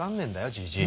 じじい。